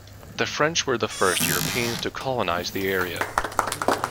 The French were the first Europeans to colonize the area.